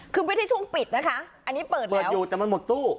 คือไม่ใช่ช่วงปิดนะคะอันนี้เปิดอยู่เปิดอยู่แต่มันหมดตู้